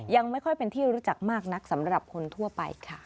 ยังไม่ค่อยเป็นที่รู้จักมากนักสำหรับคนทั่วไปค่ะ